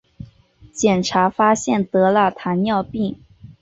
检查发现得了糖尿病